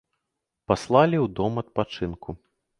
Паслалі ў дом адпачынку.